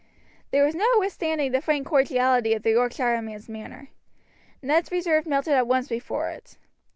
There was no withstanding the frank cordiality of the Yorkshireman's manner. Ned's reserve melted at once before it.